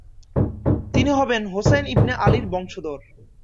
তিনি হবেন হোসাইন ইবনে আলীর বংশধর।